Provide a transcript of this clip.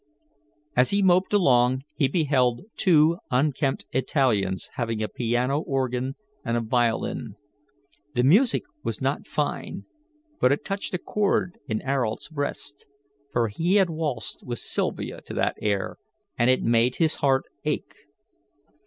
As he moped along he beheld two unkempt Italians having a piano organ and a violin. The music was not fine, but it touched a chord in Ayrault's breast, for he had waltzed with Sylvia to that air, and it made his heart ache.